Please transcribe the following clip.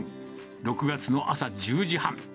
６月の朝１０時半。